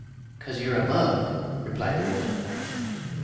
"'Cause you're a bug," replied the woman.